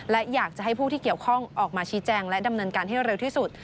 และอยากจะให้ผู้ที่เกี่ยวข้องออกมาชี้แจงและดำเนินการให้เร็วที่สุด